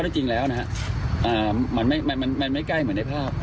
จริงแล้วนะฮะมันไม่ใกล้เหมือนในภาพ